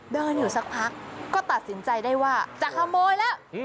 เดินอยู่สักพักก็ตัดสินใจได้ว่าจะขโมยแล้ว